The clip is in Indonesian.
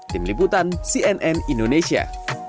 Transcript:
tim liputan cnn indonesia